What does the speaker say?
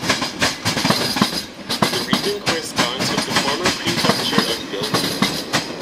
The region corresponds with the former prefecture of Biltine.